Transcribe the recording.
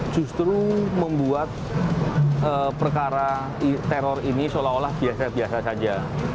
justru membuat perkara teror ini seolah olah biasa biasa saja